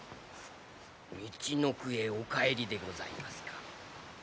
みちのくへお帰りでございますか。